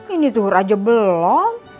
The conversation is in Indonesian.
ini zuhur aja belum